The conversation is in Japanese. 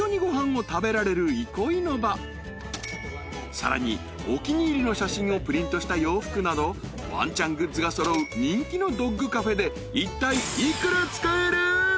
［さらにお気に入りの写真をプリントした洋服などワンちゃんグッズが揃う人気のドッグカフェでいったい幾ら使える？］